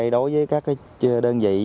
đối với các đơn vị